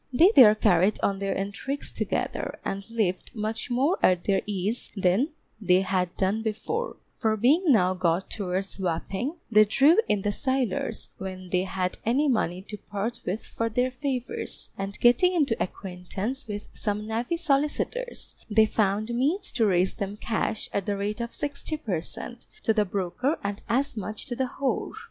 They there carried on their intrigues together, and lived much more at their ease then they had done before; for being now got towards Wapping, they drew in the sailors when they had any money to part with for their favours, and getting into acquaintance with some navy solicitors, they found means to raise them cash, at the rate of 60 per cent. to the broker, and as much to the whore.